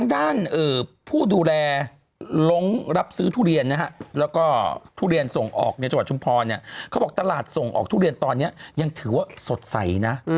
ทุเรียนตอนนี้ยังถือว่าสดใสนะ